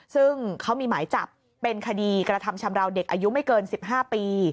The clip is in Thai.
ซึ่งเขามีหมายจับเป็นคดีกระทำชำราวเด็กอายุไม่เกิน๑๕ปี